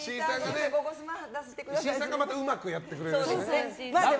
石井さんがうまくやってくれるしね。